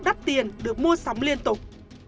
đắt tiền được mua sắm liên tục